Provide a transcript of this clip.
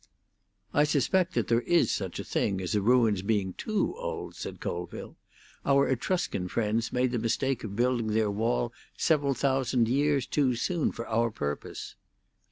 "I suspect that there is such a thing as a ruin's being too old," said Colville. "Our Etruscan friends made the mistake of building their wall several thousand years too soon for our purpose."